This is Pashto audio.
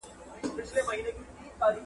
نه قوت یې د دښمن وو آزمېیلی ..